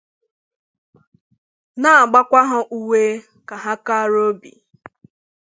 na-àgbàkwa ha uwe ka ha kara obi